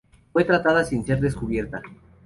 Fue tratada sin ser descubierta.